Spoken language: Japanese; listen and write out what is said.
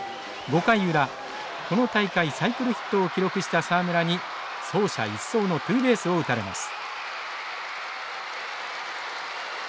５回裏この大会サイクルヒットを記録した沢村に走者一掃のツーベースを打たれます。